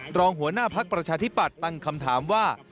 รองหัวหน้าพักประชาธิปัตย์ตั้งคำถามว่า